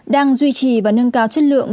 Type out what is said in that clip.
đang duy trì và nâng cao chất lượng